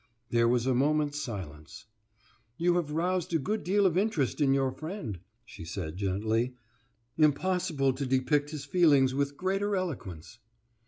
There was a moment's silence. "You have roused a good deal of interest in your friend," she said gently. "Impossible to depict his feelings with greater eloquence."